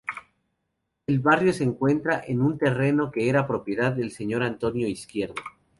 El barrio se encuentra en un terreno que era propiedad del señor Antonio Izquierdo.